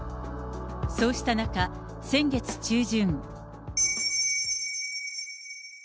そうした中、先月中旬。